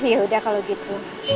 yaudah kalau gitu